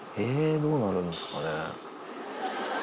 どうなるんですかね。